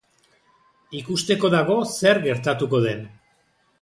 Ikusteko dago zer gertatuko den.